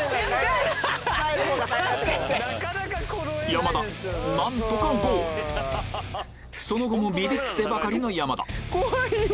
山田何とかゴールその後もビビってばかりの山田怖いよ。